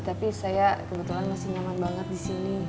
tapi saya kebetulan masih nyaman banget disini